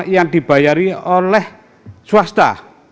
yang dibayari oleh swasta